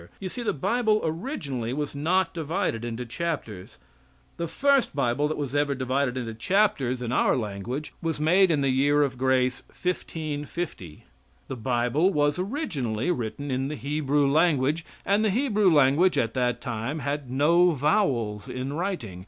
You see, the Bible originally was not divided into chapters; the first Bible that was ever divided into chapters in our language was made in the year of grace 1550. The Bible was originally written in the Hebrew language, and the Hebrew language at that time had no vowels in writing.